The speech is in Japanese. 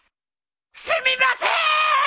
すみませーん！